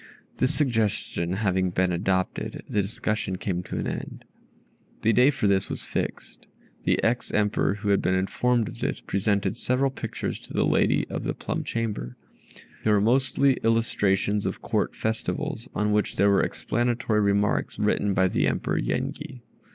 This suggestion having been adopted, the discussion came to an end. The day for this purpose was fixed. The ex Emperor, who had been informed of this, presented several pictures to the lady of the plum chamber. They were mostly illustrations of Court Festivals, on which there were explanatory remarks written by the Emperor Yenghi.